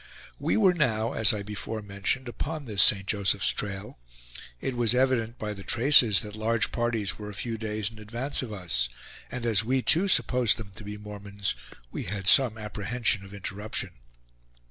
We were now, as I before mentioned, upon this St. Joseph's trail. It was evident, by the traces, that large parties were a few days in advance of us; and as we too supposed them to be Mormons, we had some apprehension of interruption.